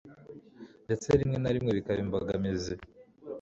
ndetse rimwe na rimwe bikaba imbogamizi